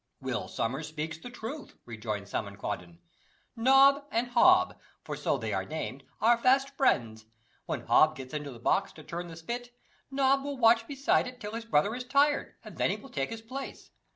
"Will Sommers speaks the truth," rejoined Simon Quanden. "Hob and Nob, for so they are named, are fast friends. When Hob gets into the box to turn the spit, Nob will watch beside it till his brother is tired, and then he will take his place.